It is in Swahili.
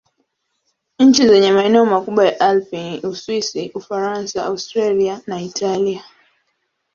Nchi zenye maeneo makubwa ya Alpi ni Uswisi, Ufaransa, Austria na Italia.